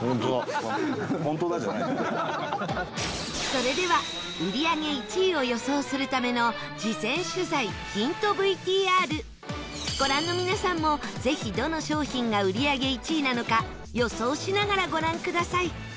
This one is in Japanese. それでは売り上げ１位を予想するための事前取材、ヒントＶＴＲご覧の皆さんも、ぜひどの商品が売り上げ１位なのか予想しながら、ご覧ください